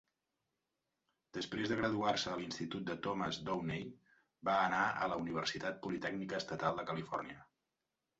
Després de graduar-se a l'institut Thomas Downey, va anar a la Universitat Politècnica Estatal de Califòrnia.